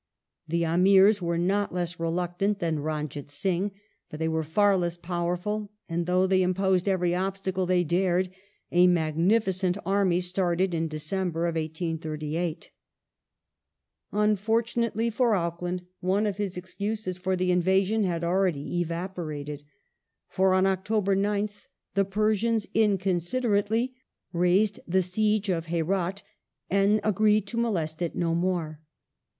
The Amire were not less reluctant than Ranjit Singh, but they were far less powerful, and though they imposed every obstacle they dared, a magnificent army started in December, 1838. Unfortunately for Auckland, one of his excuses for the invasion had already evapor ated, for on October 9th the Persians inconsiderately raised the siege of Herat and agreed to molest it no more.